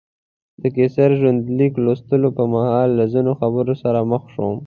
د قیصر ژوندلیک لوستلو پر مهال له ځینو خبرو سره مخ شوم.